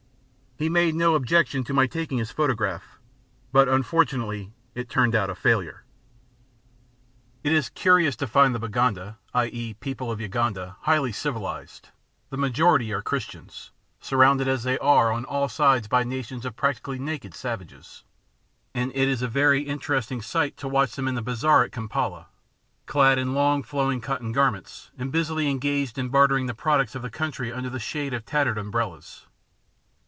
He made no objection to my taking his photograph, but it unfortunately turned out a failure. It is curious to find the Baganda (i.e., people of Uganda) highly civilised the majority are Christians surrounded as they are on all sides by nations of practically naked savages; and it is a very interesting, sight to watch them in the "bazaar" at Kampala, clad in long flowing cotton garments, and busily engaged in bartering the products of the country under the shade of tattered umbrellas.